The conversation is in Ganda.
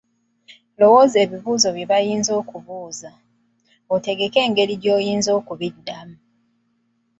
Lowooza ebibuuzo bye bayinza okubuuza, otegeke engeri gy'oyinza okubiddamu.